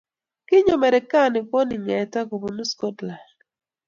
Kinyo Merekani ko ne ng'eta kobunu Scotland